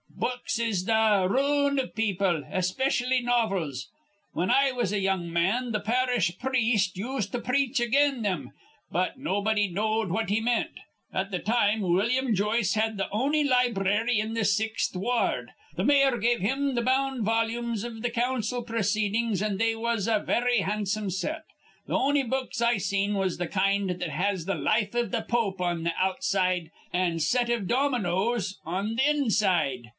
Books is th' roon iv people, specially novels. Whin I was a young man, th' parish priest used to preach again thim; but nobody knowed what he meant. At that time Willum Joyce had th' on'y library in th' Sixth Wa ard. Th' mayor give him th' bound volumes iv th' council proceedings, an' they was a very handsome set. Th' on'y books I seen was th' kind that has th' life iv th' pope on th' outside an' a set iv dominos on th' inside.